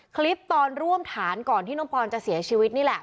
คลิปตอนร่วมฐานก่อนที่น้องปอนจะเสียชีวิตนี่แหละ